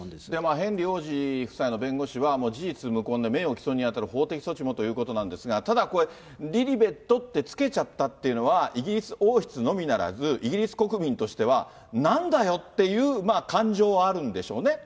ヘンリー王子夫妻の弁護士は、もう事実無根で、名誉毀損に当たる、法的措置もということなんですが、ただこれ、リリベットって付けちゃったっていうのは、イギリス王室のみならず、イギリス国民としては、なんだよっていう感情はあるんでしょうね。